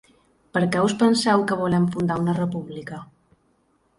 Per què us penseu que volem fundar una república?.